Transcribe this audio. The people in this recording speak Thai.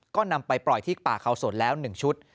ก็นำไปปล่อยที่ป่าเขาสนแล้ว๑ชุด